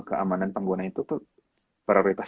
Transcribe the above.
keamanan pengguna itu prioritas